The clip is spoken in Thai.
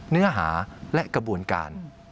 เนื้อหาและกระบวนการ